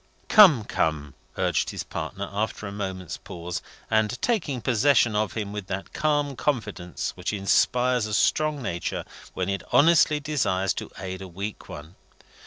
"Come, come," urged his partner, after a moment's pause, and taking possession of him with that calm confidence which inspires a strong nature when it honestly desires to aid a weak one.